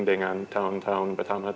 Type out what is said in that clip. dengan tahun tahun pertama